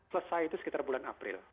selesai itu sekitar bulan april